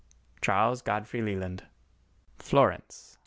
CHARLES GODFREY LELAND. FLORENCE, 1894.